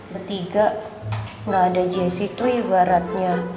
betiga gak ada jesi tuh ibaratnya